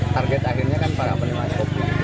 target akhirnya kan para penyelamat kopi